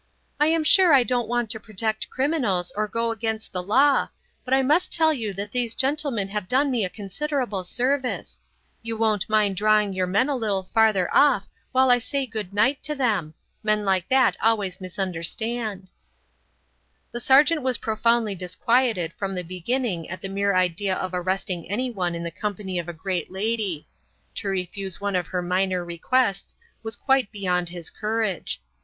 "I am sure I don't want to protect criminals or go against the law; but I must tell you that these gentlemen have done me a considerable service; you won't mind drawing your men a little farther off while I say good night to them. Men like that always misunderstand." The sergeant was profoundly disquieted from the beginning at the mere idea of arresting anyone in the company of a great lady; to refuse one of her minor requests was quite beyond his courage.